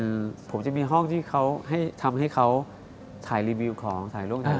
บ๊วยบ๊วยผมจะมีห้องที่ทำให้เขาถ่ายรีวิวของถ่ายโลกในรูป